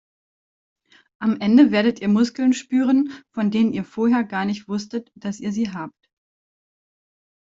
Am Ende werdet ihr Muskeln spüren, von denen ihr vorher gar nicht wusstet, dass ihr sie habt.